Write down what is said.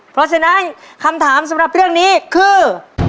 เพราะฉะนั้นคำถามสำหรับเรื่องนี้คือ